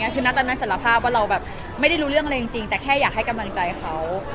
คือตอนนั้นสารภาพว่าเราแบบไม่ได้รู้เรื่องอะไรจริงแต่แค่อยากให้กำลังใจเขา